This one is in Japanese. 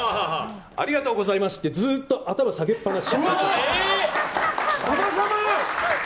ありがとうございますってずっと頭下げっぱなし。